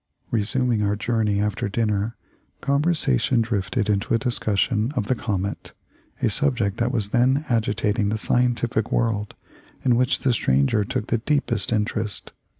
Resuming our journey after dinner, conversation drifted into a discussion of the comet, a subject that was then agitating the scientific world, in which the stranger took the deepest interest.